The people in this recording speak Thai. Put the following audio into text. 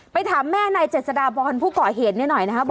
ถามแม่นายเจษฎาพรผู้ก่อเหตุนี้หน่อยนะครับ